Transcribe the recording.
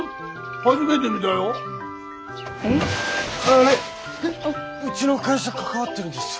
あれうちの会社関わってるんですよ。